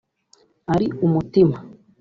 ari umutima